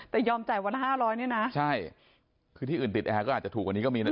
แต่ยอมจ่ายวันละ๕๐๐เนี่ยนะใช่คือที่อื่นติดแอร์ก็อาจจะถูกกว่านี้ก็มีนะ